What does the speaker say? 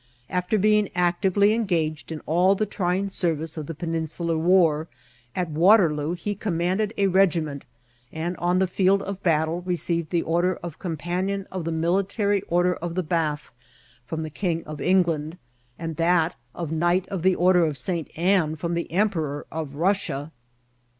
After being actively engaged in all the trying service of the Peninsular War, at Waterloo he commanded a regiment, and on the field of battle received the order of Cmnpanion of the Mil itary Order of the Bath from the King of England, and that of Knight of the Order of St. Anne from the Emperor of Russia.